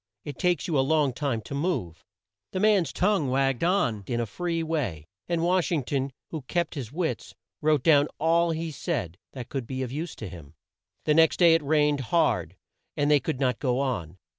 It takes you a long time to move." The man's tongue wagged on in a free way, and Wash ing ton, who had kept his wits, wrote down all he said that could be of use to him. The next day it rained hard and they could not go on.